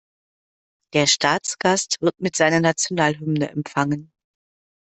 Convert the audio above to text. Der Staatsgast wird mit seiner Nationalhymne empfangen.